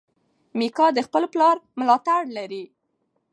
میکا د خپل پلار ملاتړ لري.